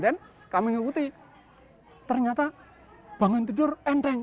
dan kami mengikuti ternyata bangun tidur enteng